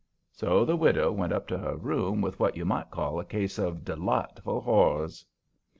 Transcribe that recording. So the widow went up to her room with what you might call a case of delightful horrors.